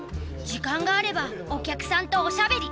時間があればお客さんとおしゃべり。